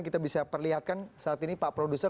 kita bisa perlihatkan saat ini pak produser